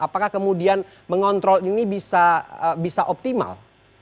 apakah kemudian mengontrol ini bisa optimal